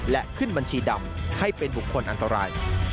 และขึ้นบัญชีดำให้เป็นบุคคลอันตราย